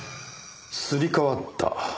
すり替わった？